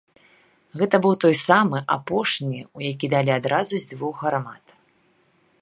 Гэта быў той самы, апошні, у які далі адразу з дзвюх гармат.